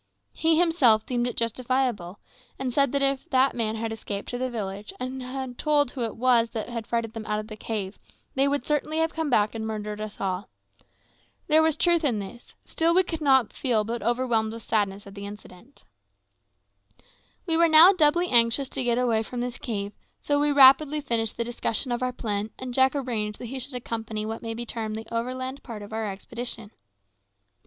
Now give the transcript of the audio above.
He himself deemed it justifiable, and said that if that man had escaped to the village, and told who it was that frightened them out of the cave, they would certainly have come back and murdered us all. There was truth in this. Still we could not but feel overwhelmed with sadness at the incident. We were now doubly anxious to get away from this cave, so we rapidly finished the discussion of our plan, and Jack arranged that he should accompany what may be termed the overland part of our expedition.